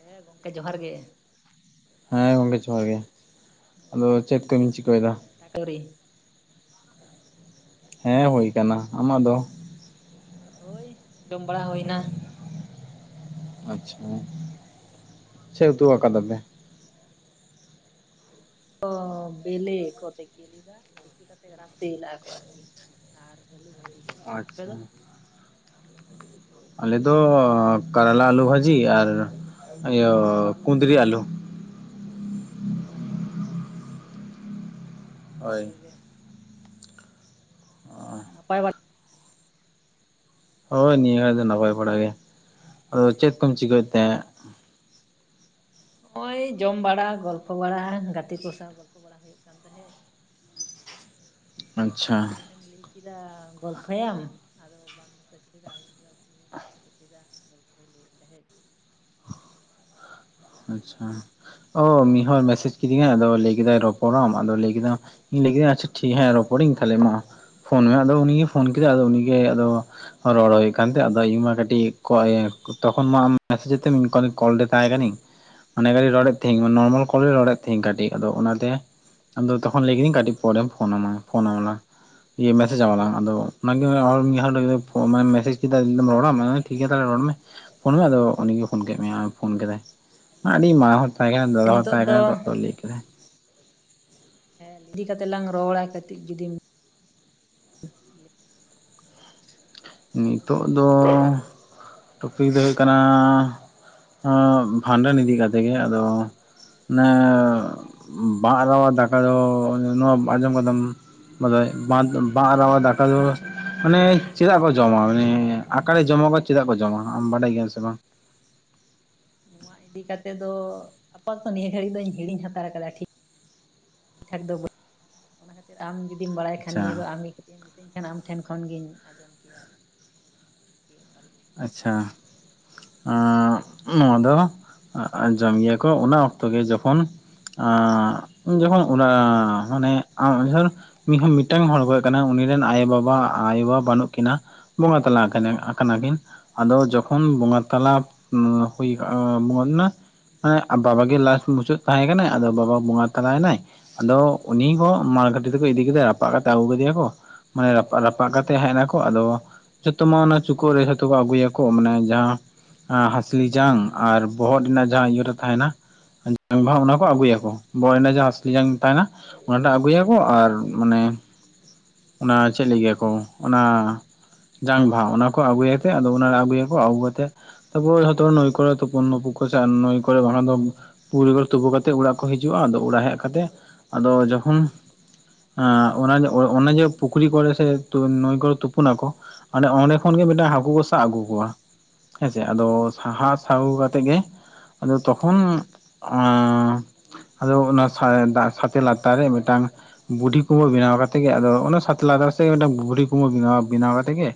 ᱦᱮᱸ ᱜᱚᱝᱠᱮ ᱡᱚᱦᱟᱨ ᱜᱮ ᱦᱮᱸ ᱜᱚᱝᱠᱮ ᱡᱚᱦᱟᱨ ᱜᱮ ᱟᱫᱚ ᱪᱮᱫ ᱠᱚᱵᱤᱱ ᱪᱤᱠᱟᱹᱭᱮᱫᱟ [unintelligible] ᱦᱮᱸ ᱦᱳᱭ ᱠᱟᱱᱟ ᱟᱢᱟᱜ ᱫᱚ ᱦᱳᱭ ᱡᱚᱢ ᱵᱟᱲᱟ ᱦᱩᱭᱱᱟ ᱟᱪᱪᱷᱟ ᱪᱮᱫ ᱩᱛᱩ ᱟᱠᱟᱫᱟ ᱯᱮ ᱚ ᱵᱮᱞᱮ ᱠᱚ ᱛᱮᱠᱮ ᱞᱮᱫᱟ ᱛᱮᱠᱮ ᱠᱟᱛᱮᱜ ᱨᱟᱥᱮ ᱞᱮ-ᱟᱠᱚ ᱟᱨᱠᱤ ᱟᱨ ᱟᱹᱞᱩ ᱵᱷᱟᱹᱡᱤ ᱟᱯᱮ ᱟᱪᱪᱷᱟ ᱫᱚ ᱟᱞᱮ ᱫᱚ ᱠᱚᱨᱚᱞᱟ ᱟᱞᱩ ᱵᱷᱟᱹᱡᱤ ᱟᱨ ᱤᱭᱟᱹ ᱠᱩᱱᱫᱽᱨᱤ ᱟᱞᱩ ᱚ ᱦᱳᱭ ᱵᱷᱟᱜᱮ ᱜᱮ ᱱᱟᱯᱟᱭ ᱵᱟᱲᱟ ᱦᱳᱭ ᱱᱤᱭᱟᱹ ᱜ [unintelligible] ᱫᱚ ᱱᱟᱯᱟᱭ ᱵᱟᱲᱟ ᱜᱮ ᱟᱫᱚ ᱪᱮᱫ ᱠᱚᱢ ᱪᱤᱠᱟᱹᱭᱮᱫ ᱛᱟᱦᱮᱸᱫ ᱱᱚᱜ ᱚᱚᱭ ᱡᱚᱢ ᱵᱟᱲᱟ ᱜᱚᱞᱯᱚ ᱵᱟᱲᱟ ᱜᱟᱛᱮ ᱠᱚ ᱥᱟᱶ ᱜᱚᱞᱯᱚ ᱵᱟᱲᱟ ᱦᱩᱭᱩᱜ ᱠᱟᱱ ᱛᱟᱦᱮᱸᱫ ᱳ ᱟᱪᱪᱷᱟ ᱮᱱᱟᱝ ᱮᱢ ᱞᱟ. ᱭ ᱪᱮᱫᱟ ᱜᱚᱞᱯᱷᱟᱭᱟᱢ ᱟᱫᱚ ᱵᱟᱢ ᱢᱮᱥᱮᱡ ᱞᱮᱫᱟ ᱟᱫᱚᱧ ᱞᱮᱫᱟ ᱵᱟᱭ ᱢᱮᱥᱮᱡ ᱮᱫᱟ ᱜᱚᱞᱯᱷᱚᱭ ᱞᱟᱹᱭᱮᱫ ᱛᱟᱦᱮᱸᱫ ᱟᱪᱪᱷᱟ ᱚ ᱢᱤᱫ ᱦᱚᱲ ᱢᱮᱥᱮᱮᱡ ᱠᱤᱫᱤᱧᱟᱭ ᱟᱫᱚ ᱞᱟᱹᱭ ᱠᱮᱫᱟᱭ ᱨᱚᱯᱚᱲᱟᱢ ᱟᱫᱚ ᱞᱟᱹᱭ ᱠᱮᱫᱟ ᱞᱟᱹᱭ ᱠᱮᱫᱟᱹᱧ ᱟᱪᱪᱷᱟ ᱴᱷᱤᱠ ᱦᱮᱸ ᱨᱚᱯᱚᱲᱤᱧ ᱛᱟᱦᱞᱮ ᱢᱟ ᱯᱷᱳᱱ ᱢᱮ ᱟᱫᱚ ᱩᱱᱤᱜᱮ ᱯᱷᱳᱱ ᱠᱮᱫᱟᱭ ᱟᱫᱚ ᱩᱱᱤᱜᱮ ᱟᱫᱚ ᱨᱚᱲ ᱦᱩᱭᱩᱜ ᱠᱟᱱᱟ ᱛᱟᱦᱮᱫ ᱟᱫᱚ ᱤᱧ ᱢᱟ ᱠᱟᱹᱴᱤᱡ ᱛᱚᱠᱷᱚᱱ ᱢᱟ ᱟᱢ ᱢᱮᱥᱮᱡ ᱛᱮ [unintelligible] ᱠᱚᱞ ᱨᱮ ᱛᱟᱦᱮᱸ ᱠᱟᱱᱟᱹᱧ ᱟᱰᱤᱜᱷᱟᱲᱤᱡ ᱦᱩᱸ ᱨᱚᱲᱮᱫ ᱛᱟᱦᱮᱸᱦᱤᱧ ᱱᱚᱨᱢᱟᱞ ᱠᱚᱞᱨᱮᱧ ᱨᱚᱲᱮᱫ ᱛᱮᱦᱤᱧ ᱠᱟᱹᱴᱤᱡ ᱟᱫᱚ ᱚᱱᱟᱛᱮ ᱟᱫᱚ ᱛᱚᱠᱷᱚᱱ ᱞᱟᱹᱭ ᱠᱤᱫᱤᱧ ᱠᱟᱹᱴᱤᱡ ᱯᱚᱨᱮᱢ ᱯᱷᱳᱱᱟ ᱟᱢᱟ ᱯᱷᱳᱱ ᱟᱢ ᱞᱟᱝ ᱤᱭᱟᱹ ᱚ ᱢᱮᱥᱮᱮᱡᱟᱞᱟᱝ ᱟᱫᱚ ᱚᱱᱟᱜᱮ ᱦᱚᱲ ᱢᱤᱫ ᱦᱚᱲ ᱯᱷᱚ ᱢᱟᱱᱮ ᱢᱮᱥᱡᱽ ᱠᱮᱫᱟᱢ ᱨᱚᱲᱟᱢ ᱴᱷᱤᱠ ᱜᱮᱭᱟ ᱛᱟᱦᱚᱞᱮ ᱨᱚᱲ ᱢᱮ ᱯᱷᱳᱱ ᱢᱮ ᱟᱫᱚ ᱩᱱᱤᱜ ᱯᱷᱱ ᱠᱮᱫ ᱢᱮᱭᱟ ᱯᱷᱳᱱ ᱠᱮᱫᱟᱭ ᱟᱹᱰᱤ ᱢᱟᱨᱟᱝ ᱦᱚᱲ ᱛᱟᱦᱮᱸ ᱠᱟᱱᱟ ᱫᱟᱫᱟ ᱦᱚᱲ ᱱᱤᱛᱚᱜ ᱛᱟᱦᱮᱸ ᱫᱚ ᱠᱟᱱᱟ ᱛ ᱞᱟᱹᱭ ᱠᱮᱫᱟᱭ ᱦᱮᱸ [inaudible] ᱤᱫᱤ ᱠᱟᱛᱮᱜ ᱞᱟᱝ ᱨᱚᱲᱟ ᱠᱟᱹᱴᱤᱡ ᱡᱩᱫᱤᱢ ᱱᱤᱛᱳ ᱫᱚ ᱴᱚᱯᱤᱠ ᱫᱚ ᱦᱩᱭᱩᱜ ᱠᱟᱱᱟ ᱵᱷᱷᱟᱸᱰᱟᱱ ᱤᱫᱤ ᱠᱟᱛᱮᱮᱫ ᱜᱮ ᱟᱫᱚ ᱚᱱᱮ ᱵᱟᱝᱟᱜ [unintelligible] ᱟᱨᱣᱟ ᱫᱟᱠᱟ ᱫᱚ ᱱᱚᱣᱟ ᱟᱸᱡᱚᱢ ᱠᱟᱫᱟᱢ ᱢᱟᱱᱮ ᱵᱟᱸᱫ ᱵᱟᱸᱜ ᱨᱟᱣᱟ ᱫᱟᱠᱟ ᱫᱚ ᱢᱟᱱᱮ ᱪᱮᱫᱟᱜ ᱵᱚ ᱡᱚᱢᱟ ᱢᱟᱱᱮ ᱟᱠᱟᱭ ᱡᱚᱢᱚᱠᱟ ᱪᱮᱫᱟᱜ ᱠᱚ ᱡᱚᱢᱟ ᱟᱢ ᱵᱟᱰᱟᱭ ᱜᱮᱭᱟᱢ ᱥᱮ ᱵᱟᱝ ᱱᱚᱣᱟ ᱤᱫᱤᱠ ᱠᱟᱛᱮ ᱫᱚ ᱟᱯᱟᱛᱚᱛᱚ ᱱᱤᱭᱟᱹ ᱜᱷᱟᱹᱲᱤᱡ ᱫᱚᱧ ᱦᱤᱲᱤᱧ ᱦᱟᱛᱟᱲ ᱟᱠᱟᱫᱟ ᱴᱷᱤᱠ ᱴᱷᱤᱠ ᱴᱷᱟᱠ ᱫᱚ [inaudible] ᱚᱱᱟ ᱠᱷᱟᱹᱛᱤᱨ ᱟᱢ ᱡᱩᱫᱤᱢ ᱵᱟᱲᱟᱭ ᱠᱷᱟᱱ ᱟᱪᱪᱷᱟ ᱱᱤᱭᱟᱹ ᱫᱚ ᱟᱢᱤ ᱪᱮᱫ ᱮᱢ ᱢᱤᱛᱟᱹᱧ ᱠᱟᱱᱟ ᱟᱢ ᱴᱷᱮᱱ ᱠᱷᱚᱱ ᱜᱤᱧ ᱟᱸᱡᱚᱢ ᱠᱮᱭᱟ [inaudible] ᱟᱨᱠᱤ ᱚᱠᱟᱞᱮᱠᱟ ᱟᱪᱪᱷᱟ ᱱᱚᱣᱟ ᱫᱚ ᱡᱚᱢ ᱜᱮᱭᱟ ᱠᱚ ᱚᱱᱟ ᱚᱠᱛᱚ ᱜᱮ ᱡᱚᱠᱷᱚᱱ ᱟ ᱡᱚᱠᱷᱚᱱ ᱚᱱᱟ ᱢᱟᱱᱮ ᱟᱢ [inaudible] [inaudible] ᱢᱤᱫᱴᱟᱝ ᱦᱚᱲ ᱚᱠᱚᱭ ᱠᱟᱱᱟᱭ ᱩᱱᱤ ᱨᱮᱱ ᱟᱭᱳᱼᱵᱟᱵᱟ ᱟᱭᱳᱵᱟ ᱵᱟᱹᱱᱩᱜ ᱠᱤᱱᱟᱹ ᱵᱚᱸᱜᱟ ᱛᱟᱞᱟ ᱟᱠᱟᱱᱟ ᱟᱠᱟᱱᱟ ᱠᱤᱱ ᱟᱫᱚ ᱦᱩᱸ ᱡᱚᱠᱷᱚᱱ ᱵᱚᱸᱜᱟ ᱛᱟᱞᱟ ᱦᱩᱭ ᱢᱚᱱᱱᱟ [unintelligible] ᱵᱟᱵᱟ ᱜᱮ ᱞᱟᱥ ᱢᱩᱪᱟᱹᱫ ᱛᱟᱦᱮᱸ ᱠᱟᱱᱟᱭ ᱟᱫᱚ ᱵᱟᱵᱟ ᱵᱚᱸᱜᱟ ᱛᱟᱞᱟᱭ ᱮᱱᱟᱭ ᱟᱫᱚ ᱩᱱᱤ ᱦᱚ ᱢᱟᱲ ᱜᱷᱟᱴᱤ ᱛᱮᱠᱚ ᱤᱫᱤ ᱠᱮᱫᱮᱭᱟ ᱨᱟᱯᱟᱜ ᱠᱟᱛᱮ ᱟᱹᱜᱩ ᱠᱮᱫᱮᱭᱟ ᱠᱚ ᱢᱟᱱᱮ ᱨᱟᱯᱟᱜ ᱨᱟᱯᱟᱜ ᱦᱩᱸ ᱠᱟᱛᱮᱜ ᱦᱮᱡ ᱱᱟᱠᱚ ᱟᱫᱚ ᱡᱚᱛᱚ ᱢᱟ ᱚᱱᱟ ᱪᱩᱠᱟᱹᱜ ᱨᱮ ᱛᱳ ᱠᱚ ᱟᱹᱜᱩᱭᱟᱠᱚ ᱢᱟᱱᱮ ᱡᱟᱦᱟᱸ ᱦᱟᱹᱥᱞᱤ ᱡᱟᱝ ᱟᱨ ᱵᱚᱦᱚᱜ ᱴᱷᱮᱱᱟᱜ ᱡᱟᱦᱟᱸ ᱤᱭᱮ ᱴᱟᱜ ᱛᱟᱦᱮᱱᱟ ᱦᱩᱸ ᱚᱱᱟ ᱠᱚ ᱟᱹᱜᱩᱭᱟᱠᱚ ᱵᱚᱦᱚᱜ ᱨᱮᱱᱟᱜ ᱡᱟᱦᱟᱸ ᱦᱟᱹᱥᱞᱤ ᱡᱟᱝ ᱛᱟᱦᱮᱱᱟ ᱦᱩᱸ ᱚᱱᱟᱴᱟᱜ ᱟᱹᱜᱩᱭᱟᱠᱚ ᱟᱨ ᱢᱟᱱᱮ ᱚᱱᱟ ᱪᱮᱫ ᱞᱟ. ᱭ ᱜᱮᱭᱟ ᱠᱚ ᱚᱱᱟ ᱡᱟᱝ ᱵᱟᱦᱟ ᱚᱱᱟ ᱠᱚ ᱟᱹᱜᱩᱭᱟ ᱛᱮᱜ ᱚᱱᱟ ᱟᱹᱜᱩᱭᱟᱠᱚ ᱟᱹᱜᱩ ᱠᱟᱛᱮᱮᱫ ᱛᱚᱯᱳ ᱢᱟ ᱡᱷᱚᱛᱚ ᱱᱚ. ᱭ ᱠᱚᱨᱮ ᱛᱚᱯᱳᱱ ᱢᱟ ᱵᱟᱠᱩ ᱪᱟᱜ ᱟ ᱱᱚᱹᱭ ᱠᱚᱨᱮ ᱵᱟᱝᱠᱷᱟᱱ ᱫᱚ ᱯᱩᱨᱤ [unintelligible] ᱛᱳᱯᱩ ᱠᱟᱛᱮᱮᱫ ᱚᱲᱟᱜ ᱠᱚ ᱦᱤᱡᱩᱜᱼᱟ ᱟᱫᱚ ᱚᱲᱟᱜ ᱦᱮᱡ ᱠᱟᱛᱮ ᱟᱫᱚ ᱡᱚᱠᱷᱚᱱ ᱚᱱᱟ ᱡᱮ ᱚᱱᱮ ᱡᱮ ᱯᱩᱠᱷᱨᱤ ᱠᱚᱨᱮ ᱥᱮ ᱛᱚ ᱱᱟᱹᱭ ᱠᱚᱨᱮ ᱛᱩᱯᱩ ᱱᱟᱠᱚ ᱟᱵᱮ ᱚᱸᱰᱮ ᱦᱩᱸ ᱠᱷᱚᱱ ᱜᱮ ᱢᱤᱜᱴᱟᱝ ᱦᱟᱹᱠᱩ ᱠᱚ ᱥᱟᱵ ᱟᱹᱜᱩ ᱠᱚᱣᱟ ᱦᱮᱸᱥᱮ ᱦᱩᱸ ᱟᱫᱚ ᱥᱟᱦᱟᱥ ᱥᱟᱵ ᱟᱜᱩ ᱠᱟᱛᱮᱜ ᱜᱮ ᱟᱫᱚ ᱛᱚᱠᱷᱚᱱ ᱟᱫᱚ ᱚᱱᱟ ᱥᱟᱜ ᱮ ᱫᱟᱜ ᱥᱟᱛᱮ ᱞᱟᱛᱟᱨ ᱨᱮ ᱢᱤᱜᱴᱟᱝ ᱵᱩᱰᱷᱤ ᱠᱩᱢᱵᱷᱟᱹ ᱵᱮᱱᱟᱣ ᱠᱟᱛᱮ ᱜᱮ ᱟᱫᱚ ᱚᱱᱟ ᱥᱟᱛᱮ ᱞᱟᱛᱟᱨ ᱥᱮᱜ ᱨᱮᱫᱚ ᱵᱩᱰᱷᱤ ᱠᱩᱢᱵᱷᱟᱹ ᱵᱮᱱᱟᱣ ᱵᱮᱱᱟᱣ ᱟᱛᱮ ᱜᱮ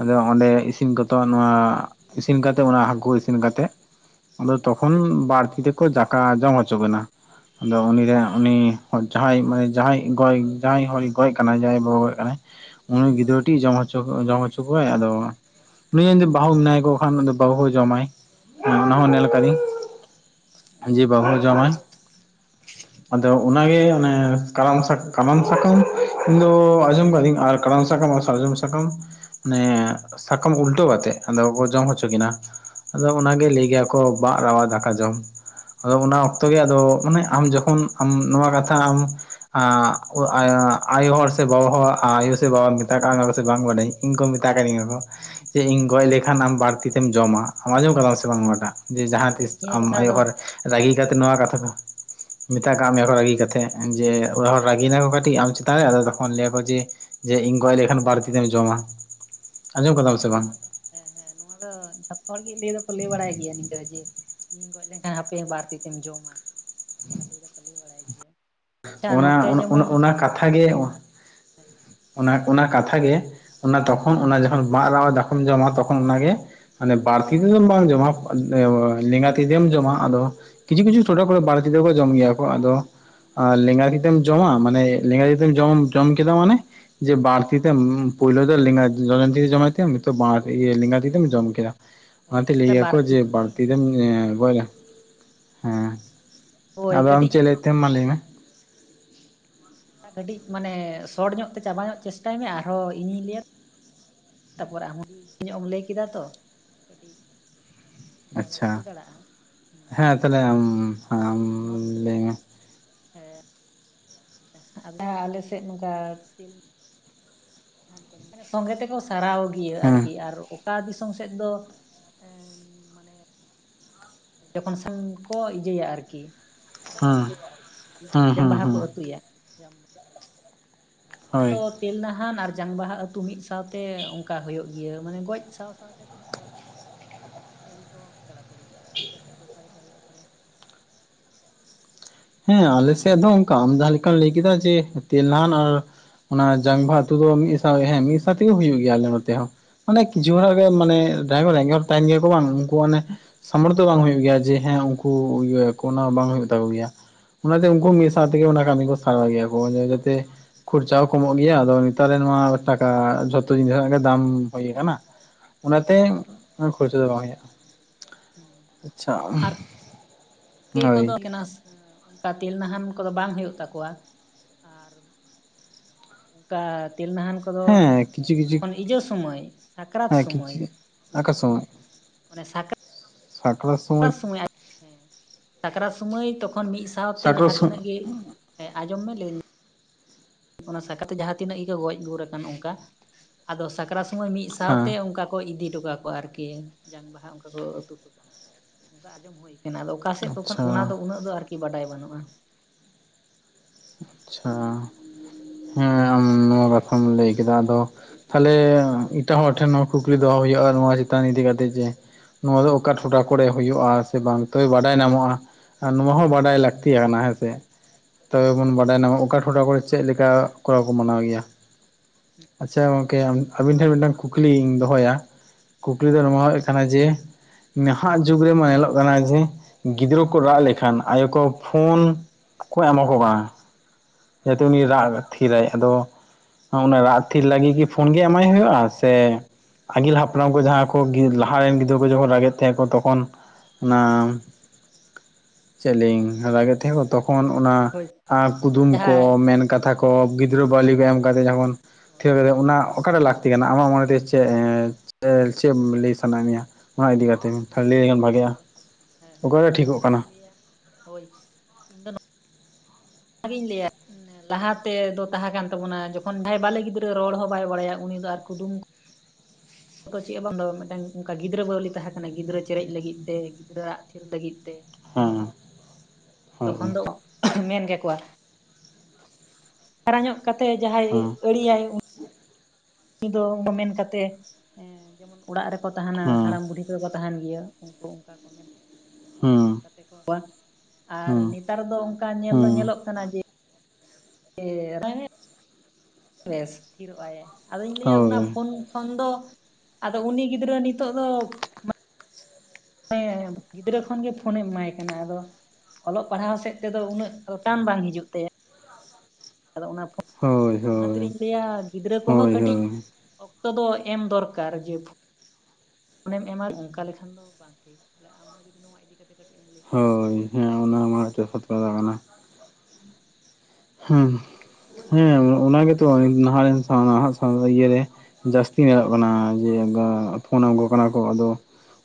ᱟᱫᱚ ᱚᱸᱰᱮ ᱤᱥᱤᱱ ᱠᱚᱛᱚ ᱱᱚᱣᱟ ᱤᱥᱤᱱ ᱠᱟᱛᱮᱜ ᱚᱱᱟ ᱦᱟᱹᱠᱩ ᱤᱥᱤᱱ ᱠᱟᱛᱮ ᱟᱫᱚ ᱛᱚᱠᱷᱚᱱ ᱵᱟᱨ ᱛᱤ ᱛᱮᱠᱚ ᱡᱟᱠᱟ ᱡᱚᱢ ᱦᱚᱪᱚ ᱵᱤᱱᱟ ᱟᱫᱚ ᱩᱱᱤ ᱜᱮ ᱦᱩᱸ ᱩᱱᱤ ᱡᱟᱦᱟᱸᱭ ᱢᱟᱭ ᱡᱟᱦᱟᱸᱭ ᱜᱚᱡ ᱡᱟᱦᱟᱸᱭ ᱦᱚᱲ ᱮ ᱜᱚᱡ ᱠᱟᱱᱟᱭ ᱡᱟᱦᱟᱸᱭ ᱵᱟᱵᱟ ᱜᱚᱡ ᱠᱟᱱᱟᱭ ᱩᱱᱤ ᱦᱩᱸ ᱜᱤᱫᱽᱨᱟᱹᱴᱤᱡ ᱡᱚᱢ ᱦᱚᱪᱚ ᱡᱚᱢ ᱦᱚᱪᱚ ᱠᱚᱣᱟᱭ ᱟᱫᱚ ᱱᱩᱭᱤᱡ ᱡᱩᱫᱤ ᱵᱟᱹᱦᱩ ᱢᱮᱱᱟᱭ ᱠᱚ ᱠᱷᱟᱱ ᱵᱟᱹᱦᱩ ᱦᱚᱭ ᱡᱚᱢᱟᱭ ᱚᱱᱟ ᱦᱚᱸ ᱱᱮᱞ ᱠᱟᱹᱫᱤᱧ ᱚ ᱟᱹᱡᱤᱜ ᱵᱟᱹᱦᱩᱦᱚᱭ ᱡᱚᱢᱟᱭ ᱟᱫᱚ ᱚᱱᱟ ᱟᱪᱪᱷᱟ ᱜᱮ ᱚᱱᱮ ᱠᱟᱨᱟᱢ ᱥᱟᱠ ᱠᱟᱢᱟᱱ ᱥᱟᱠᱟᱢ ᱤᱧ ᱫᱚ ᱟᱸᱡᱚᱢ ᱠᱟᱹᱫᱤᱧ ᱟᱨ ᱠᱟᱨᱟᱢ ᱥᱟᱠᱟᱢ ᱟᱨ ᱥᱟᱨᱡᱚᱢ ᱥᱟᱠᱟᱢ ᱢᱟᱱᱮ ᱥᱟᱠᱟᱢ ᱩᱞᱴᱟᱹᱣ ᱟᱛᱮᱜ ᱟᱫᱚ ᱠᱚ ᱡᱚᱢ ᱦᱚᱪᱚ ᱠᱤᱱᱟ ᱟᱫᱚ ᱚᱱᱟ ᱜᱮ ᱞᱟᱹᱭ ᱠᱮᱜ ᱟ ᱠᱚ ᱵᱟᱜ ᱨᱟᱣᱟ ᱫᱟᱠᱟ ᱡᱚᱢ ᱟᱫᱚ ᱚᱱᱟ ᱚᱠᱛᱚ ᱜᱮ ᱟᱫᱚ ᱢᱟᱱᱮ ᱟᱢ ᱡᱚᱠᱷᱚᱱ ᱟᱢ ᱱᱚᱣᱟ ᱠᱟᱛᱷᱟ ᱟᱢ ᱟᱭᱳ ᱦᱚᱲ ᱥᱮ ᱵᱟᱵᱟ ᱦᱚᱲ ᱟᱭᱳ ᱥᱮ ᱵᱟᱵᱟ ᱢᱮᱛᱟᱠᱟᱜ ᱢᱮᱭᱟ ᱠᱚ ᱥᱮ ᱵᱟᱝ ᱵᱟᱰᱟᱭᱤᱧ ᱤᱧ ᱠᱚ ᱢᱮᱛᱟ ᱠᱟᱹᱫᱤᱧᱟ ᱠᱚ ᱡᱮ ᱤᱧ ᱦᱩᱸ ᱜᱚᱡ ᱞᱮᱠᱷᱟᱱ ᱟᱢ ᱵᱟᱨ ᱛᱤ ᱛᱮᱢ ᱡᱚᱢᱟ ᱟᱢ ᱟᱸᱡᱚᱢ ᱠᱟᱫᱟᱢ ᱥᱮ ᱵᱟᱝ ᱱᱚᱣᱟ ᱴᱟᱜ ᱡᱮ ᱦᱳᱭ ᱡᱟᱦᱟᱸ ᱦᱳᱭ ᱛᱤᱥ ᱱᱤᱭᱟᱹ ᱟᱢ ᱠᱟᱛᱷᱟ ᱟᱭᱳ ᱫᱚ ᱦᱚᱲ ᱨᱟᱹᱜᱤ ᱠᱟᱛᱮ ᱱᱚᱣᱟ ᱠᱟᱛᱷᱟ ᱠᱚ ᱢᱮᱛᱟ ᱠᱟᱜ ᱢᱮᱭᱟ ᱠᱚ ᱦᱳᱭ ᱨᱟᱹᱜᱤ ᱠᱟᱛᱮ ᱡᱮ ᱚᱲᱟᱜ ᱦᱳᱭ ᱦᱚᱲ ᱨᱟᱹᱜᱤ ᱦᱳᱭ ᱱᱟᱠᱚ ᱠᱟᱹᱴᱤᱡ ᱟᱢ ᱪᱮᱛᱟᱱ ᱨᱮ ᱟᱫᱚ ᱛᱚᱠᱷᱚᱱ ᱞᱟᱹᱭᱟ ᱠᱚ ᱡᱮ ᱡᱮ ᱤᱧ ᱜᱚᱡ ᱞᱮᱠᱷᱟᱱ ᱵᱟᱨ ᱛᱤᱛᱮᱢ ᱡᱚᱢᱟ ᱾ ᱦᱳᱭ ᱱᱚᱣᱟ ᱫᱚ ᱦᱮᱸ ᱦᱮᱸ ᱱᱚᱣᱟ ᱫᱚ ᱡᱷᱚᱛᱚ ᱦᱚᱲ ᱜᱮ ᱞᱟᱹᱭ ᱫᱚᱠᱚ ᱞᱟᱹᱭ ᱵᱟᱲᱟᱭ ᱜᱮᱭᱟ ᱱᱤᱝᱠᱟᱹ ᱡᱮ ᱤᱧᱤᱧ ᱜᱚᱡ ᱞᱮᱱᱠᱷᱟᱱ ᱦᱟᱯᱮ ᱵᱟᱨ ᱛᱤ ᱛᱮᱢ ᱡᱚᱢᱟ ᱱᱚᱝᱠᱟ ᱞᱟᱹᱭ ᱫᱚ ᱠᱚ ᱞᱟᱹᱭ ᱵᱟᱲᱟᱭ ᱜᱮᱭᱟ ᱾ ᱟᱪᱪᱷᱟ ᱚᱱᱟ ᱱᱚᱛᱮ ᱡᱮᱢᱚᱱ ᱚᱱᱟ ᱠᱟᱛᱷᱟ ᱜᱮ ᱚᱱᱟ ᱚᱱᱟ ᱞᱟᱹᱭ ᱢᱮ ᱠᱟᱛᱷᱟ ᱜᱮ ᱚᱱᱟ ᱛᱚᱠᱷᱚᱱ ᱚᱱᱟ ᱡᱚᱠᱷᱚᱱ ᱢᱟᱜ ᱨᱟᱣᱟᱜ ᱫᱟᱠᱟᱢ ᱡᱚᱢᱟ ᱛᱚᱠᱷᱚᱱ ᱚᱱᱟ ᱜᱮ ᱢᱟᱱᱮ ᱵᱟᱹᱨᱛᱤ ᱛᱮᱫᱚ ᱵᱟᱢ ᱡᱚᱢᱟ ᱞᱮᱸᱜᱟ ᱛᱤ ᱛᱮᱜᱮᱢ ᱡᱚᱢᱟ ᱟᱫᱚ ᱠᱤᱪᱷᱩ ᱠᱤᱪᱷᱩ ᱴᱚᱴᱷᱟ ᱠᱚᱨᱮ ᱵᱟᱨᱛᱤ ᱛᱮᱜᱮ ᱠᱚ ᱡᱚᱢ ᱜᱮᱭᱟ ᱠᱚ ᱟᱫᱚ ᱟᱨ ᱞᱮᱸᱜᱟ ᱛᱤ ᱛᱮᱢ ᱡᱚᱢᱟ ᱢᱟᱱᱮ ᱞᱮᱸᱜᱟ ᱛᱤ ᱛᱮᱢ ᱡᱚᱢᱟᱢ ᱡᱚᱢ ᱠᱮᱫᱟ ᱢᱟᱱᱮ ᱡᱮ ᱵᱟᱨ ᱛᱤ ᱛᱮᱢ ᱯᱚᱭᱞᱳ ᱫᱚ ᱞᱮᱜᱟ ᱡᱚᱡᱚᱢ ᱛᱤ ᱛᱮ ᱡᱚᱢᱮᱜ ᱛᱤᱜ ᱮᱢ ᱱᱤᱛᱚᱜ ᱵᱟᱨ ᱛᱤ ᱜᱮ ᱞᱮᱜᱟ ᱛᱤ ᱛᱮᱢ ᱡᱚᱢ ᱠᱮᱫᱟ ᱚᱱᱟ ᱦᱳᱭ ᱛᱮ ᱛᱟᱦᱚᱞᱮ ᱞᱟᱹᱭᱭᱟᱠᱚ ᱵᱟᱨᱛᱤ ᱡᱮ ᱛᱮᱜᱮ ᱵᱟᱹᱲᱛᱤ ᱦᱮᱸ ᱨᱮᱢ ᱜᱚᱡ ᱡᱟ ᱦᱮᱸ ᱦᱳᱭ ᱟᱫᱚ ᱟᱢ ᱠᱟᱹᱴᱤᱡ ᱪᱮᱜ ᱞᱮᱭᱮᱜ ᱛᱟᱦᱮᱢ ᱢᱟ ᱞᱟᱹᱭ ᱢᱮ ᱾ ᱠᱟᱹᱴᱤᱡ ᱢᱟᱱᱮ ᱥᱚᱴ ᱧᱚᱜ ᱛᱮ ᱪᱟᱵᱟ ᱧᱚᱜ ᱪᱮᱥᱴᱟᱭ ᱢᱮ ᱟᱨᱦᱚᱸ ᱤᱧᱤᱧ ᱞᱟᱹᱭᱟ ᱾ ᱛᱟᱯᱚᱨ ᱟᱢ ᱦᱚᱸ [unintelligible] ᱞᱟᱹᱭ ᱠᱮᱫᱟ ᱛᱚ ᱠᱟᱹᱴᱤᱡ ᱚᱱᱠᱟ ᱫᱚ ᱟᱪᱪᱷᱟ ᱤᱭᱟᱹ ᱫᱟᱲᱮᱭᱟᱜᱼᱟ ᱦᱮᱸ ᱛᱟᱦᱚᱞᱮ ᱟᱢ ᱟᱢ ᱱᱚᱛ ᱞᱟᱹᱭ ᱢᱮ ᱦᱮᱸ ᱟᱫᱷᱟ ᱟᱞᱮ ᱥᱮᱜ ᱱᱚᱝᱠᱟ ᱢᱟᱱᱮ ᱥᱚᱸᱜᱮ ᱛᱮᱠᱚ ᱥᱟᱨᱟᱣ ᱜᱮᱭᱟ ᱦᱮᱸ ᱟᱨ ᱠᱤ ᱟᱨ ᱜᱚᱴᱟ ᱫᱤᱥᱚᱢ ᱥᱮᱜ ᱫᱚ ᱢᱟᱱᱮ ᱡᱚᱠᱷᱚᱱ ᱥᱟᱝ ᱠᱚ ᱤᱡᱟᱹᱭᱟ ᱟᱨᱠᱤ ᱦᱮᱸ ᱱᱚᱣᱟ ᱤᱡᱟᱹ ᱦᱩᱸ ᱦᱩᱸ ᱡᱟᱝ ᱵᱟᱦᱟ ᱦᱩᱸ ᱠᱚ ᱟᱹᱛᱩᱭᱟ ᱾ ᱡᱟᱢ [unintelligible] ᱱᱚᱣᱟ ᱠᱚ ᱦᱳᱭ ᱛᱚᱫ [unintelligible] ᱛᱮᱞ ᱱᱟᱦᱟᱱ ᱟᱨ ᱡᱟᱝ ᱵᱟᱦᱟ ᱟᱹᱛᱩ ᱢᱤᱫ ᱥᱟᱶᱛᱮ ᱚᱝᱠᱟ ᱦᱳᱭᱳᱜ ᱜᱤᱭᱟᱹ ᱢᱟᱱᱮ ᱜᱚᱡ ᱥᱟᱶ ᱥᱟᱶ ᱛᱮ ᱛᱤᱱᱟᱹᱜ ᱛᱟᱲᱟᱢ ᱟᱹᱰᱤ ᱠᱚ ᱛᱟᱲᱟ ᱛᱟᱹᱲᱤ ᱜᱮᱭᱟ ᱟᱨ ᱟᱯᱮ ᱥᱮᱫ ᱫᱚ ᱚᱠᱟ ᱞᱮᱠᱟ ᱦᱳᱭᱳᱜᱼᱟ ᱛᱟᱦᱚᱞᱮ ᱦᱮᱸ ᱟᱞᱮ ᱥᱮᱫ ᱦᱚᱸ ᱚᱝᱠᱟ ᱟᱢ ᱡᱟᱦᱟᱸ ᱞᱮᱠᱟᱢ ᱞᱟᱹᱭ ᱠᱮᱫᱟ ᱡᱮ ᱛᱮᱞ ᱱᱟᱦᱟᱱ ᱟᱨ ᱚᱱᱟ ᱡᱟᱝ ᱵᱟᱦᱟ ᱟᱹᱛᱩ ᱫᱚ ᱢᱤᱜ ᱥᱟᱶ ᱜᱮ ᱦᱮᱸ ᱢᱤᱜ ᱥᱟᱶ ᱛᱮᱜᱮ ᱦᱩᱭᱩᱜ ᱜᱮᱭᱟ ᱟᱞᱮ ᱱᱚᱛᱮ ᱦᱚᱸ ᱾ ᱢᱟᱱᱮ ᱠᱤᱪᱷᱩ ᱦᱚᱲᱟᱜ ᱜᱮ ᱢᱟᱱᱮ ᱡᱟᱦᱟᱸᱭ ᱠᱚ ᱨᱮᱸᱜᱮᱜ ᱦᱚᱲ ᱛᱟᱦᱮᱱ ᱜᱮᱭᱟ ᱠᱚ ᱵᱟᱝ ᱩᱱᱠᱩ ᱢᱟᱱᱮ ᱥᱟᱢᱚᱨᱛᱷᱚ ᱵᱟᱝ ᱦᱩᱭᱩᱜ ᱜᱮᱭᱟ ᱡᱮ ᱦᱮᱸ ᱩᱱᱠᱩ ᱤᱭᱟᱹ ᱠᱚ ᱚᱱᱟ ᱵᱟᱝ ᱦᱩᱭᱩᱜ ᱛᱟᱠᱚ ᱜᱮᱭᱟ ᱾ ᱚᱱᱟ ᱛᱮ ᱩᱱᱠᱩ ᱢᱤᱜ ᱥᱟᱶᱛᱮ ᱛᱮᱜᱮ ᱚᱱᱟ ᱠᱟᱹᱢᱤ ᱠᱚ ᱥᱟᱨᱟᱣ ᱜᱮᱭᱟ ᱠᱚ ᱡᱟᱛᱮ ᱠᱷᱚᱨᱪᱟ ᱦᱚᱸ ᱠᱚᱢᱚᱜ ᱜᱮᱭᱟ ᱟᱫᱚ ᱱᱮᱛᱟᱨ ᱨᱮᱱ ᱱᱚᱣᱟ ᱴᱟᱠᱟ ᱡᱷᱚᱛᱚ ᱡᱤᱱᱤᱥ ᱨᱮᱱᱟᱜ ᱜᱮ ᱫᱟᱢ ᱦᱳᱭ ᱠᱟᱱᱟ ᱾ ᱚᱱᱟ ᱛᱮ ᱩᱱ ᱠᱷᱚᱨᱪᱟ ᱫᱚ ᱵᱟᱝ ᱦᱳᱭᱳᱜ ᱟ ᱾ ᱦᱩᱸ ᱟᱨ ᱠᱮ ᱦᱳᱭ ᱠᱚᱫᱚ [unintelligible] ᱚᱱᱠᱟ ᱛᱮᱞ ᱱᱟᱦᱟᱱ ᱠᱚᱫᱚ ᱵᱟᱝ ᱦᱩᱭᱩᱜ ᱛᱟᱠᱚᱣᱟ ᱟᱨ ᱚᱱᱠᱟ ᱛᱤᱞᱱᱟᱦᱟᱱ ᱠᱚᱫᱚ ᱦᱮᱸ ᱠᱤᱪᱷᱩ ᱠᱤᱪᱷᱩ ᱡᱚᱠᱷᱚᱱ ᱤᱡᱚᱜ ᱥᱩᱢᱟᱹᱭ ᱥᱟᱠᱨᱟᱛ ᱥᱚᱢᱚᱭ ᱟᱠᱟᱥᱚᱢᱚᱭ ᱚᱱᱮ ᱥᱟᱛ ᱥᱟᱠᱨᱟᱛ ᱥᱚᱢᱚᱭ ᱥᱟᱠᱨᱟᱛ ᱥᱚᱢᱚᱭ ᱦᱮ ᱥᱟᱠᱨᱟᱛ ᱥᱚᱢᱚᱭ ᱛᱚᱠᱷᱚᱱ ᱢᱤᱫ ᱥᱟᱶᱛᱮ ᱥᱟᱠᱨᱟᱛ ᱡᱟᱦᱟᱸ ᱥᱚᱢᱚᱭ ᱛᱤᱱᱟᱹᱜ ᱜᱮ ᱦᱮᱸᱡᱚᱢ ᱢᱮ ᱞᱟᱹᱭ ᱱᱮ ᱚᱱᱟ ᱥᱟᱠᱟᱨᱟᱛᱮ ᱡᱟᱦᱟᱸ ᱛᱤᱱᱟᱹᱜ ᱜᱮᱠᱚ ᱜᱚᱡ ᱜᱩᱨ ᱟᱠᱟᱱ ᱚᱱᱠᱟ ᱟᱫᱚ ᱥᱟᱠᱨᱟᱛ ᱥᱚᱢᱚᱭ ᱢᱤᱫ ᱥᱟᱶᱛᱮ ᱦᱮᱸ ᱚᱱᱠᱟ ᱠᱚ ᱤᱫᱤ ᱦᱚᱴᱚᱠᱟ ᱠᱚᱣᱟ ᱟᱨᱠᱤ ᱡᱟᱝ ᱵᱟᱦᱟ ᱚᱱᱠᱟ ᱠᱚ ᱩᱛᱩ ᱦᱚᱴ ᱠᱟᱜᱼᱟ ᱚᱱᱠᱟ ᱟᱸᱡᱚᱢ ᱦᱩᱭ ᱮᱱᱟ ᱟᱫᱚ ᱚᱠᱟᱥᱮᱫ ᱛᱚᱠᱷ ᱟᱪᱪᱷᱟ ᱚᱱᱟ ᱫᱚ ᱩᱱᱟᱹᱜ ᱫᱚ ᱟᱨᱠᱤ ᱵᱟᱰᱟᱭ ᱵᱟᱹᱱᱩᱜᱼᱟ ᱾ ᱟᱪᱪᱷᱟ ᱦᱮᱸ ᱟᱢ ᱱᱚᱶᱟ ᱠᱟᱛᱷᱟᱢ ᱞᱟᱹᱭ ᱠᱮᱫᱟ ᱟᱫᱚ ᱛᱟᱦᱞᱮ ᱮᱴᱟᱜ ᱦᱚᱲ ᱴᱷᱮᱱ ᱦᱚᱸ ᱠᱩᱠᱞᱤ ᱫᱚᱦᱚ ᱦᱩᱭᱩᱜᱼᱟ ᱱᱚᱶᱟ ᱪᱮᱛᱟᱱ ᱤᱫᱤ ᱠᱟᱛᱮᱜ ᱡᱮ ᱱᱚᱣᱟ ᱫᱚ ᱚᱠᱟ ᱴᱚᱴᱷᱟ ᱠᱚᱨᱮ ᱦᱩᱭᱩᱜᱼᱟ ᱥᱮ ᱵᱟᱝ ᱛᱚᱭ ᱵᱟᱰᱟᱭ ᱧᱟᱢᱚᱜᱼᱟ ᱾ ᱟᱨ ᱱᱚᱣᱟ ᱦᱚᱸ ᱵᱟᱰᱟᱭ ᱞᱟᱹᱠᱛᱤᱭᱟᱱᱟ ᱦᱮᱸ ᱥᱮ ᱾ ᱦᱩᱸ ᱛᱚᱵᱮ ᱵᱚᱱ ᱵᱟᱰᱟᱭ ᱧᱟᱢᱟ ᱚᱠᱟ ᱴᱚᱴᱷᱟ ᱠᱚᱨᱮ ᱪᱮᱫ ᱞᱮᱠᱟ ᱠᱚᱨᱟ ᱠᱚ ᱢᱟᱱᱟᱣ ᱜᱮᱭᱟ ᱾ ᱦᱩᱸ ᱟᱪᱪᱷᱟ ᱜᱚᱝᱠᱮ ᱟᱵᱤᱱ ᱴᱷᱮᱱ ᱢᱤᱫᱴᱟᱝ ᱠᱩᱠᱞᱤᱧ ᱫᱚᱦᱚᱭᱟ? ᱠᱩᱠᱞᱤ ᱫᱚ ᱱᱚᱣᱟ ᱟᱪᱪᱷᱟ ᱦᱩᱭᱩᱜ ᱠᱟᱱᱟ ᱡᱮ ᱱᱟᱦᱟᱜ ᱡᱩᱜᱽ ᱨᱮᱢᱟ ᱧᱮᱞᱚᱜ ᱠᱟᱱᱟ ᱡᱮ ᱜᱤᱫᱽᱨᱟᱹ ᱠᱚ ᱨᱟᱜ ᱞᱮᱠᱷᱟᱱ ᱟᱭᱳ ᱠᱚ ᱯᱷᱳᱱ ᱠᱚ ᱮᱢᱢᱟ ᱠᱚ ᱠᱟᱱᱟ ᱦᱚᱭᱛᱚ ᱩᱱᱤ ᱨᱟᱜ ᱛᱷᱤᱨᱟᱭ ᱟᱫᱚ ᱚᱱᱟ ᱨᱟᱜ ᱛᱷᱤᱨ ᱞᱟᱹᱜᱤᱫ ᱜᱮ ᱯᱷᱳᱱ ᱜᱮ ᱮᱢᱟᱭ ᱦᱩᱭᱩᱜᱼᱟ ᱥᱮ ᱟᱹᱜᱤᱞ ᱦᱟᱯᱲᱟᱢ ᱠᱚ ᱡᱟᱦᱟᱸ ᱠᱚ ᱡᱟᱸᱦᱟᱭ ᱨᱮᱱ ᱜᱤᱫᱽᱨᱟᱹ ᱠᱚ ᱡᱚᱠᱷᱚᱱ ᱨᱟᱜᱮᱫ ᱛᱟᱦᱮᱸ ᱠᱚ ᱛᱚᱠᱷᱚᱱ ᱱᱟ ᱪᱮᱫ ᱞᱤᱭᱟᱹᱧ ᱨᱟᱜᱮᱫ ᱛᱟᱦᱮᱸ ᱠᱚ ᱛᱚᱠᱷᱚᱱ ᱚᱱᱟ ᱦᱳᱭ ᱚᱱᱟ ᱠᱩᱫᱩᱢ ᱠᱚ ᱡᱟᱦᱟᱸ ᱢᱮᱱ ᱠᱟᱛᱷᱟ ᱠᱚ ᱦᱳᱭ ᱜᱤᱫᱽᱨᱟᱹ ᱵᱟᱹᱣᱞᱤ ᱠᱚ ᱮᱢ ᱠᱟᱛᱮ ᱡᱚᱠᱷᱚᱱ ᱦᱳᱭ ᱛᱷᱚ ᱚᱱᱟ ᱚᱠᱟᱨᱮ ᱞᱟᱹᱠᱛᱤ ᱠᱟᱱᱟ ᱟᱢᱟᱜ ᱢᱚᱱᱮᱨᱮ ᱪᱮᱫ ᱪᱮᱫ ᱮᱢ ᱞᱟᱹᱭ ᱥᱟᱱᱟᱭᱮᱫ ᱢᱮᱭᱟ? ᱱᱚᱣᱟ ᱤᱫᱤ ᱠᱟᱛᱮ ᱵᱮ ᱛᱟᱦᱮ ᱞᱟᱹᱭ ᱞᱮᱠᱷᱟᱱ ᱵᱷᱟᱜᱮᱜᱼᱟ ᱦᱮᱸ ᱦᱮᱸ ᱦᱮᱸ ᱚᱠᱟᱨᱮ ᱤᱧ ᱴᱷᱤᱠᱚᱜ ᱠᱟᱱᱟ ᱫᱩᱧ ᱞᱟᱹᱭᱟ ᱦᱳᱭ ᱤᱧ ᱫᱚ ᱵᱧ ᱞᱟᱹᱭᱟ ᱞᱟᱦᱟ ᱛᱮᱫᱚ ᱛᱟᱦᱮᱸ ᱠᱟᱱ ᱛᱟᱵᱚᱱᱟ ᱡᱚᱠᱷᱚᱱ ᱡᱟᱦᱟᱸᱭ ᱵᱟᱞᱮ ᱜᱤᱫᱽᱨᱟᱹ ᱨᱚᱲ ᱦᱚᱸ ᱵᱟᱭ ᱵᱟᱲᱟᱭᱟ ᱩᱱᱤ ᱫᱚ ᱟᱨ ᱠᱩᱫᱩᱢ ᱟ ᱫᱚ ᱪᱮᱫ ᱵᱟᱝ ᱫᱚ ᱢᱤᱫᱴᱟᱝ ᱚᱱᱠᱟ ᱜᱤᱫᱽᱨᱟᱹ ᱵᱟᱹᱣᱞᱤ ᱛᱟᱦᱮᱸ ᱠᱟᱱᱟ ᱜᱤᱫᱽᱨᱟᱹ ᱪᱮᱨᱮᱡ ᱞᱟᱹᱜᱤᱫ ᱛᱮ ᱜᱤᱫᱽᱨᱟᱹ ᱟᱣᱟᱜ ᱛᱷᱤᱨ ᱞᱟᱹᱜᱤᱫ ᱛᱮ ᱦᱮᱸ ᱦᱳᱭ ᱛᱚᱠᱷᱚᱱ ᱫᱚ ᱢᱮᱱ ᱜᱮᱠᱚᱣᱟ ᱦᱟᱨᱟ ᱧᱚᱜ ᱠᱟᱛᱮ ᱡᱟᱦᱟᱸᱭ ᱦᱮᱸ ᱟᱲᱤᱭᱟᱭ ᱩᱱᱤ ᱫᱚ ᱢᱮᱱ ᱠᱟᱛᱮ ᱡᱮᱢᱚᱱ ᱚᱲᱟᱜ ᱨᱮᱠᱚ ᱛᱟᱦᱮᱱᱟ ᱦᱮᱸ ᱦᱟᱲᱟᱢ ᱵᱩᱰᱦᱤ ᱟᱹ ᱠᱚ ᱛᱟᱦᱮᱱ ᱜᱮᱭᱟ ᱩᱱᱠᱩ ᱚᱱᱠᱟ ᱠᱚ ᱢᱮᱱ ᱦᱮᱸ ᱟᱨ ᱦᱮᱸ ᱱᱮᱛᱟᱨ ᱫᱚ ᱚᱱᱠᱟ ᱧᱮᱞ ᱫᱚ ᱦᱮᱸ ᱧᱮᱞᱚᱜ ᱠᱟᱱᱟ ᱡᱮ ᱦ ᱵᱮᱥ ᱛᱷᱤᱨᱚᱜ ᱟᱭ ᱟᱫᱚᱧ ᱞᱟᱹᱭᱟ ᱦᱳᱭ ᱚᱱᱟ ᱯᱷᱳᱱ ᱠᱷᱚᱱ ᱫᱚ ᱟᱫᱚ ᱩᱱᱤ ᱜᱤᱫᱽᱨᱟᱹ ᱱᱤᱛᱚᱜ ᱫᱚ ᱦᱮᱸ ᱜᱤᱫᱽᱨᱟᱹ ᱠᱷᱚᱱᱜᱮ ᱯᱷᱳᱱᱮᱢ ᱮᱢᱟᱭ ᱠᱟᱱᱟ ᱟᱫᱚ ᱚᱞᱚᱜ ᱯᱟᱲᱦᱟᱣ ᱥᱮᱫ ᱛᱮᱫᱚ ᱩᱱᱟᱹᱜ ᱴᱟᱱ ᱵᱟᱝ ᱦᱤᱡᱩᱜ ᱛᱟᱭᱟ ᱟᱫᱚ ᱚᱱᱟ ᱦᱳᱭ ᱚᱱᱟ ᱦᱳᱭ ᱠᱷᱟᱹᱛᱤᱨᱤᱧ ᱞᱟᱹᱭᱟ ᱜᱤᱫᱽᱨᱟᱹ ᱠᱚᱦᱚᱸ ᱦᱳᱭ ᱦᱳᱭ ᱠᱟᱹᱴᱤᱡ ᱚᱠᱛᱚ ᱫᱚ ᱮᱢ ᱫᱚᱨᱠᱟᱨ ᱡᱚ ᱢᱚᱱᱮᱢ ᱮᱢᱟ ᱚᱱᱠᱟ ᱞᱮᱠᱷᱟᱱ ᱫᱚ ᱵᱟᱝ ᱴᱤᱠᱮ ᱟᱢ ᱦᱚᱸ ᱡᱩᱫᱤ ᱱᱚᱣᱟ ᱤᱫᱤ ᱠᱟᱛᱮ ᱠᱟᱹᱴᱤᱡ ᱮᱢ ᱞᱮ ᱠᱮᱭᱟ ᱱᱟᱯᱟᱭ ᱦᱮᱸ ᱠᱚᱜᱼᱟ ᱟᱨᱠᱤ ᱦᱮᱸ ᱚᱱᱟᱨᱮᱱᱟᱜ ᱥᱚᱛ ᱠᱟ ᱠᱟᱱᱟ ᱦᱮᱸ ᱦᱮᱸ ᱚᱱᱟ ᱜᱮ ᱛ ᱦ ᱤᱱᱥᱟᱱ ᱤᱭᱟᱹ ᱨᱮ ᱡᱟᱹᱥᱛᱤ ᱧᱮᱞᱚᱜ ᱠᱟᱱᱟ ᱡᱮ ᱯᱷᱳᱱ ᱟᱜᱩ ᱠᱟᱱᱟ ᱠᱚ ᱟᱫᱚ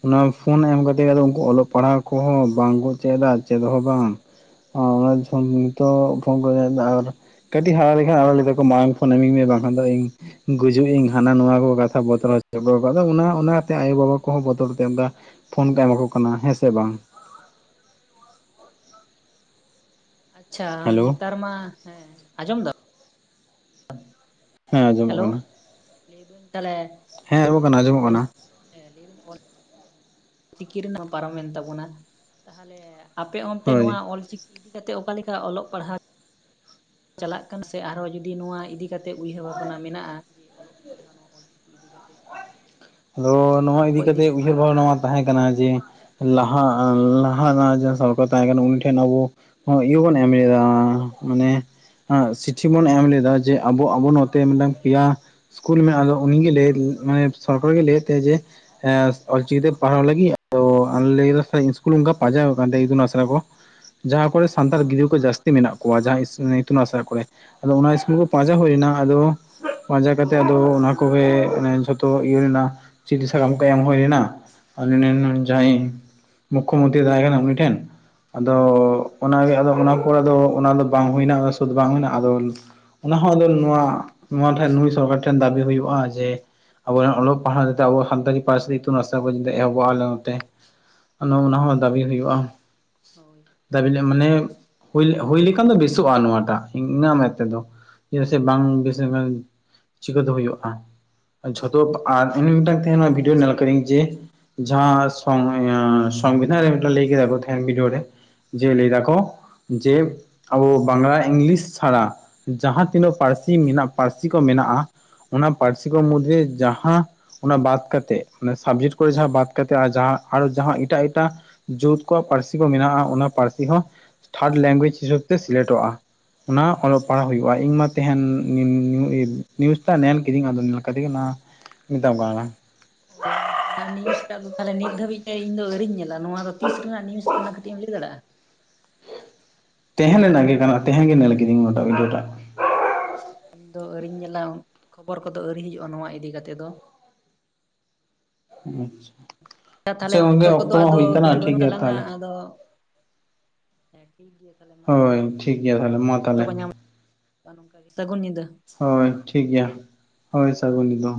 ᱱᱚᱣᱟ ᱯᱷᱳᱱ ᱮᱢ ᱠᱟᱛᱮᱮᱫ ᱟᱫᱚ ᱩᱱᱠᱩ ᱚᱞᱚᱜ ᱯᱟᱲᱦᱟᱜ ᱠᱚᱦᱚᱸ ᱵᱟᱝ ᱠᱚ ᱪᱮᱫ-ᱟ ᱪᱮᱫ ᱦᱚᱸ ᱵᱟᱝ ᱦᱮᱸ ᱚᱱᱟᱚ ᱠᱟᱹᱴᱤᱡ ᱦᱟᱨᱟ ᱞᱮᱠᱷᱟᱱ ᱟᱲᱚ ᱞᱮᱠᱟ ᱢᱟᱲᱟᱝ ᱯᱷᱳᱱ ᱤᱢᱟᱧ ᱢᱮ ᱵᱟᱝᱠᱷᱟᱱ ᱫᱚ ᱤᱧ ᱜᱩᱡᱩᱜ ᱤᱧ ᱦᱟᱱᱟ ᱱᱚᱣᱟ ᱠᱚ ᱠᱟᱛᱷᱟ ᱵᱚᱛᱚᱨ ᱦᱚᱪᱚ ᱟᱠᱟᱫᱟ ᱚᱱᱟ ᱚᱱᱟ ᱛᱮ ᱟᱭᱳ ᱵᱟᱵᱟ ᱠᱚᱦᱚᱸ ᱵᱚᱛᱚᱨ ᱮᱱᱟ ᱯᱷᱳᱱ ᱠᱚ ᱮᱢᱟ ᱠᱚ ᱠᱟᱱᱟ ᱦᱮᱸᱥᱮ ᱵᱟᱝ ᱟᱪᱷᱟ ᱦᱮᱞᱳ ᱱᱮᱛᱟᱨ ᱢᱟ ᱦᱮᱸ ᱟᱸᱡᱚᱢ ᱫᱟᱢ ᱦᱮᱸ ᱟᱸᱡᱚᱢᱚᱜ ᱦᱮᱞᱳ ᱠᱟᱱᱟ ᱞᱟᱹᱭᱫᱟᱹᱧ ᱛᱟᱦᱞᱮ ᱦᱮᱸ ᱟᱸᱡᱚᱢᱚᱜ ᱠᱟᱱᱟ ᱟᱸᱡᱚᱢᱚᱜ ᱠᱟᱱᱟ ᱞᱟᱹᱭ ᱫᱟ. ᱧ ᱚᱞ ᱪᱤᱠᱤ ᱨᱮᱱᱟᱜ ᱯᱟᱨᱚᱢᱮᱱ ᱛᱟᱵᱚᱱᱟ ᱛᱟᱦᱚᱞᱮ ᱟᱯᱮ ᱚᱱᱛᱮ‌‌‍‍‍ ᱦᱳᱭ ᱱᱚᱣᱟ ᱚᱞᱪᱤᱠᱤ ᱤᱫᱤᱠᱟ ᱠᱟᱛᱮ ᱚᱠᱟ ᱚᱞᱚᱜ ᱯᱟᱲᱦᱟᱜ ᱪᱟᱞᱟᱜ ᱠᱟᱱ ᱥᱮ ᱟᱨᱦᱚᱸ ᱡᱩᱫᱤ ᱱᱚᱣᱟ ᱤᱫᱤ ᱠᱟᱛᱮᱫ ᱩᱭᱦᱟᱹᱨ ᱵᱷᱟᱵᱽᱱᱟ ᱢᱮᱱᱟᱜᱼᱟ ᱡᱮ ᱚᱞᱚᱜ ᱯᱟᱲᱦᱟᱣ ᱱᱚᱣᱟ ᱚᱞᱪᱤᱠᱤ ᱤᱫᱤ ᱠᱟᱛᱮ ᱟᱫᱚ ᱱᱚᱣᱟ ᱠᱚ ᱤᱫᱤ ᱠᱟᱛᱮᱜ ᱠᱟᱛᱮ ᱩᱭᱦᱟᱹᱨ ᱱᱟᱯᱟᱭ ᱵᱷᱟᱵᱽᱱᱟ ᱠᱚᱜᱼᱟ ᱱᱚᱣᱟ ᱛᱟᱦᱮᱸ ᱠᱟᱱᱟ ᱡᱮ ᱞᱟᱦᱟ ᱞᱟᱦᱟ ᱡᱟᱦᱟᱸ ᱥᱚᱨᱠᱟᱨ ᱛᱟᱦᱮᱸ ᱠᱟᱱᱟ ᱩᱱᱤ ᱴᱷᱮᱱ ᱟᱵᱚ ᱤᱭᱟᱹ ᱵᱚᱱ ᱮᱢ ᱞᱮᱫᱟ ᱢᱟᱱᱮ ᱪᱤᱴᱷᱤ ᱵᱚᱱ ᱮᱢ ᱞᱮᱫᱟ ᱡᱮ ᱟᱵᱚ ᱟᱵᱚ ᱱᱚᱛᱮ ᱢᱤᱫᱴᱟᱝ ᱯᱮᱭᱟ ᱤᱥᱠᱩᱞ ᱢᱮ ᱟᱫᱚ ᱩᱱᱤᱜᱮ ᱞᱟᱹᱭ ᱢᱟᱱᱮ ᱥᱚᱨᱠᱟᱨ ᱜᱮᱭ ᱞᱟᱹᱭᱮᱫ ᱛᱟᱦᱮᱫ ᱡᱮ ᱦᱮᱸ ᱚᱞᱪᱤᱠᱤ ᱛᱮ ᱯᱟᱲᱦᱟᱣ ᱞᱟᱹᱜᱤᱫ ᱟᱫᱚ ᱟᱞᱮ ᱞᱟᱹᱭᱟ ᱤᱥᱠᱩᱞ ᱚᱱᱠᱟ ᱯᱟᱸᱡᱟᱣᱮᱫ ᱠᱟᱱ ᱛᱟᱦᱮ ᱤᱛᱩᱱ ᱟᱥᱲᱟ ᱠᱚ ᱡᱟᱦᱟᱸ ᱦᱩᱸ ᱠᱚᱨᱮ ᱥᱟᱱᱛᱟᱲ ᱜᱤᱫᱽᱨᱟᱹ ᱠᱚ ᱡᱟᱹᱥᱛᱤ ᱢᱮᱱᱟᱜ ᱠᱚᱣᱟ ᱡᱟᱦᱟᱸ ᱤᱛᱩᱱ ᱟᱥᱲᱟ ᱠᱚᱨᱮ ᱟᱫᱚ ᱚᱱᱟ ᱤᱥᱠᱩᱞ ᱦᱩᱸ ᱠᱚ ᱯᱟᱸᱪ ᱯᱟᱸᱡᱟ ᱦᱩᱭᱱᱟ ᱟᱫᱚ ᱯᱟᱸᱡᱟ ᱠᱟᱛᱮᱜ ᱟᱫᱚ ᱚᱱᱟ ᱠᱚᱜᱮ ᱡᱷᱚᱛᱚ ᱤᱭᱟᱹ ᱨᱮᱱᱟᱜ ᱪᱤᱴᱷᱤ ᱥᱟᱠᱟᱢ ᱠᱚ ᱮᱢ ᱦᱩᱭ ᱞᱮᱱᱟ ᱦᱩᱸ ᱡᱟᱦᱟᱸᱭ ᱢᱩᱠᱠᱷᱚ ᱢᱚᱱᱛᱨᱤᱭ ᱛᱟᱦᱮᱸ ᱠᱟᱱᱟ ᱩᱱᱤ ᱴᱷᱮᱱ ᱦᱩᱸ ᱟᱫᱚ ᱚᱱᱟᱜᱮ ᱟᱫᱚ ᱚᱱᱟ ᱯᱚᱨᱮ ᱫᱚ ᱚᱱᱟ ᱫᱚ ᱵᱟᱝ ᱦᱩᱭᱮᱱᱟ ᱥᱩᱫ ᱵᱟᱝ ᱦᱩᱭᱮᱱᱟ ᱟᱫᱚ ᱚᱱᱟ ᱦᱚᱸ ᱟᱫᱚ ᱱᱚᱣᱟ ᱱᱚᱣᱟ ᱴᱷᱮᱱ ᱱᱩᱭ ᱥᱚᱨᱠᱟᱨ ᱴᱷᱮᱱ ᱫᱟᱹᱵᱤ ᱦᱩᱭᱩᱜᱼᱟ ᱡᱮ ᱟᱵᱚᱱᱟᱜ ᱚᱞᱚᱜ ᱯᱟᱲᱦᱟᱣᱛᱮ ᱟᱵᱚᱣᱟᱜ ᱥᱟᱱᱛᱟᱲᱤ ᱯᱟᱹᱨᱥᱤ ᱤᱛᱩᱱ ᱟᱥᱲᱟ ᱠᱚ ᱡᱟᱛᱮ ᱮᱦᱚᱵᱚᱜᱼᱟ ᱟᱞᱮ ᱱᱛᱮ ᱱᱚᱜ ᱚ ᱦᱩᱸ ᱱᱚᱣᱟ ᱦᱚᱸ ᱫᱟᱹᱵᱤ ᱦᱩᱭᱩᱜᱼᱟ ᱦᱳᱭ ᱫᱟᱹᱵᱤ ᱞᱮ ᱢᱟᱱᱮ ᱱᱚᱣᱟ ᱦᱩᱭ, ᱦᱩᱭ ᱞᱮᱠᱷᱟᱱ ᱫᱚ ᱵᱮᱥᱚᱜᱼᱟ ᱱᱚᱣᱟᱴᱟᱜ ᱤᱧᱟᱹᱜ ᱢᱮᱫ ᱛᱮᱫᱚ ᱪᱮᱫᱟᱜ ᱥᱮ ᱵᱟᱝ ᱵᱮᱥ ᱞᱮᱠᱷᱟᱱ ᱪᱤᱠᱟᱹ ᱛᱮ ᱦᱩᱭᱩᱜᱼᱟ ᱦᱩᱸ ᱡᱷᱚᱛᱚ ᱟᱨ ᱤᱧ ᱢᱤᱫᱴᱟᱝ ᱛᱮᱦᱮᱸᱧᱚᱜ ᱵᱷᱤᱰᱤᱭᱳ ᱧᱮᱞ ᱟᱠᱟᱫᱤᱧ ᱡᱮ ᱡᱟᱦᱟᱸ ᱥᱚᱝ ᱥᱚᱝᱵᱤᱫᱷᱟᱱ ᱨᱮ ᱞᱟᱹᱭ ᱠᱮᱫᱟ ᱠᱚ ᱛᱮᱦᱮᱸᱧ ᱵᱷᱤᱰᱤᱭᱳ ᱨᱮ ᱡᱮ ᱞᱟᱹᱭ ᱫᱟᱠᱚ ᱡᱮ ᱦᱩᱸ ᱟᱵᱚ ᱵᱟᱝᱞᱟ ᱤᱝᱞᱤᱥ ᱪᱷᱟᱲᱟ ᱡᱟᱦᱟᱸ ᱛᱤᱱᱟᱹᱜ ᱯᱟᱹᱨᱥᱤ ᱢᱮᱱᱟᱜ ᱯᱟᱹᱨᱥᱤ ᱠᱚ ᱢᱮᱱᱟᱜᱼᱟ ᱚᱱᱟ ᱯᱟᱹᱨᱥᱤ ᱠᱚ ᱢᱩᱫᱽ ᱨᱮ ᱦᱩᱸ ᱡᱟᱦᱟᱸ ᱚᱱᱟ ᱵᱟᱫ ᱠᱟᱛᱮ ᱚᱱᱟ ᱥᱟᱵᱡᱮᱠᱴ ᱠᱚᱨᱮ ᱡᱟᱦᱟᱸ ᱵᱟᱫ ᱠᱟᱛᱮ ᱟᱨ ᱡᱟᱦᱟᱸ ᱟᱨᱦᱚ ᱡᱟᱦᱟᱸ ᱮᱴᱟᱜ ᱮᱴᱟᱜ ᱡᱳᱛ ᱠᱚᱣᱟᱜ ᱯᱟᱹᱨᱥᱤ ᱠᱚ ᱢᱮᱱᱟᱜᱼᱟ ᱚᱱᱟ ᱯᱟᱹᱨᱥᱤ ᱦᱚᱸ ᱛᱷᱟᱨᱰ ᱞᱮᱝᱜᱩᱭᱮᱡᱽ ᱦᱤᱥᱟᱹᱵ ᱛᱮ ᱥᱤᱞᱮᱠᱴᱚᱜᱼᱟ ᱚᱱᱟ ᱚᱞᱚᱜ ᱯᱟᱲᱦᱟᱜ ᱦᱩᱭᱩᱜᱼᱟ ᱤᱧ ᱢᱟ ᱛᱮᱦᱮᱱ ᱱᱤᱭᱩᱡᱽ ᱛᱮᱭᱟᱜ ᱧᱮᱞ ᱠᱤᱫᱤᱧ ᱟᱫᱚ ᱠᱟᱫ ᱠᱚ ᱱᱤᱛᱠᱟ [unintelligible] ᱚ ᱚᱱᱟ ᱱᱤᱭᱩᱡᱴᱟᱜ ᱫᱚ ᱛᱟᱦᱚᱞᱮ ᱱᱤᱛ ᱫᱷᱟᱹᱵᱤᱡ ᱛᱮ ᱤᱧ ᱫᱚ ᱟᱹᱣᱨᱤᱧ ᱧᱮᱞᱟ ᱱᱚᱣᱟ ᱫᱚ ᱛᱤᱥ ᱨᱮᱱᱟᱜ ᱱᱤᱭᱩᱥ ᱠᱟᱱᱟ ᱠᱟᱹᱴᱤᱡ ᱮᱢ ᱞᱟᱹᱭ ᱫᱟᱲᱮᱭᱟᱜᱼᱟ ᱛᱮᱦᱮᱸᱧ ᱨᱮᱱᱟᱜ ᱜᱮ ᱠᱟᱱᱟ ᱛᱮᱦᱮᱸᱧ ᱜᱮ ᱧᱮᱞ ᱠᱤᱫᱟᱹᱧ ᱱᱚᱭᱟᱴᱟᱜ ᱵᱷᱤᱰᱤᱭᱳ ᱴᱟᱜ ᱤᱧᱫᱚ ᱟᱹᱣᱨᱤᱧ ᱧᱮᱞᱟ ᱠᱷᱚᱵᱚᱨ ᱠᱚᱫᱚ ᱟᱹᱣᱨᱤ ᱦᱤᱡᱩᱜᱼᱟ ᱱᱚᱣᱟ ᱤᱫᱤ ᱠᱟᱛᱮᱫ ᱫᱚ ᱟᱪᱪᱷᱟ ᱛᱟᱦᱚᱞᱮ ᱟᱪᱪᱷᱟ ᱚᱠᱛᱚ ᱜᱚᱝᱠᱮ ᱠᱚᱫᱚ ᱢᱟ ᱟᱫᱚ ᱦᱩᱭ ᱵᱮᱥᱤ ᱠᱟᱱᱟ ᱴᱷᱤᱠ ᱵᱟᱹᱱᱩᱜ ᱜᱮᱭᱟ ᱛᱟᱞᱟᱝᱼᱟ ᱛᱟᱦᱚᱞᱮ ᱟᱫᱚ ᱦᱮᱸ ᱴᱷᱤᱠ ᱜᱮᱭᱟ ᱛᱟᱦᱚᱞᱮ ᱢᱟ ᱟᱨᱚ ᱦᱳᱭ ᱴᱷᱤᱠ ᱜᱮᱭᱟ ᱛᱟᱦᱚᱞᱮ ᱢᱟ ᱛᱟᱦᱚᱞᱮ ᱱᱟᱝᱠᱟ ᱜᱮ ᱥᱟᱹᱜᱩᱱ ᱧᱤᱫᱟᱹ ᱦᱳᱭ ᱴᱷᱤᱠ ᱜᱮᱭᱟ ᱦᱚᱭ ᱥᱟᱹᱜᱩᱱ ᱧᱤᱫᱟᱹ